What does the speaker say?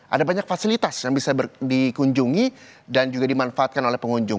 ada banyak fasilitas yang bisa dikunjungi dan juga dimanfaatkan oleh pengunjung